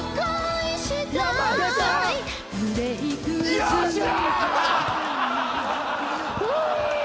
よっしゃ！